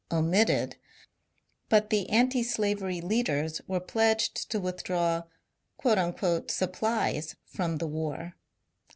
omitted, but the antislavery leaders were pledged to withdraw " supplies " from the war.